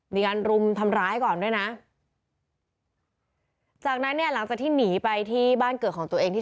มีการรุมทำร้ายก่อนด้วยนะจากนั้นเนี่ยหลังจากที่หนีไปที่บ้านเกิดของตัวเองที่